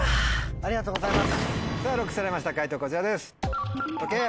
ありがとうございます。